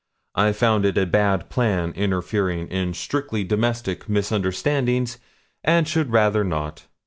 I've found it a bad plan interfering in strictly domestic misunderstandings, and should rather not.'